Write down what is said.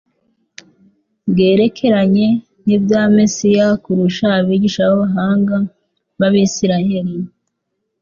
bwerekeranye n'ibya Mesiya kurusha abigisha b'abahanga b'ab'Isiraeli.